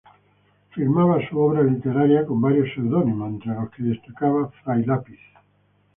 Firmaba su obra literaria con varios seudónimos, entre los que destaca Fray Lápiz.